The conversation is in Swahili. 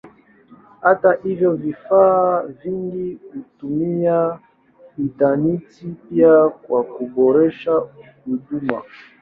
Hata hivyo vifaa vingi hutumia intaneti pia kwa kuboresha huduma.